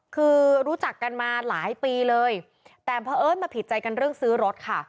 คือรู้จักกันมาหลายปีเลยแต่เพราะเอิ้นมาผิดใจกันเรื่องซื้อรถค่ะ